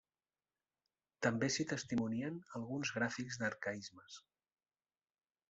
També s'hi testimonien alguns gràfics d'arcaismes.